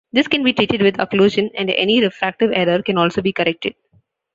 This can be treated with occlusion, and any refractive error can also be corrected.